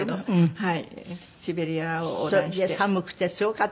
はい。